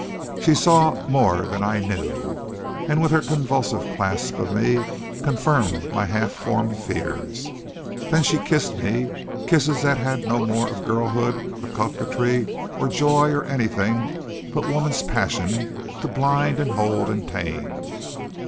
She saw more than I knew, and with her convulsive clasp of me confirmed my half formed fears. Then she kissed me, kisses that had no more of girlhood or coquetry or joy or anything but woman's passion to blind and hold and tame.